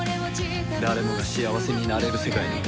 誰もが幸せになれる世界に。